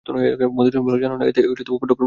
মধুসূদন বললে, জান না, এতে ফোটোগ্রাফ রাখতে হয়।